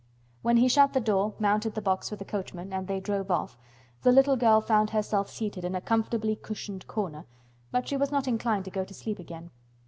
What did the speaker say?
When he shut the door, mounted the box with the coachman, and they drove off, the little girl found herself seated in a comfortably cushioned corner, but she was not inclined to go to sleep again.